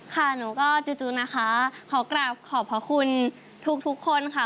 ค่ะหนูก็จู่นะคะขอกราบขอบพระคุณทุกคนค่ะ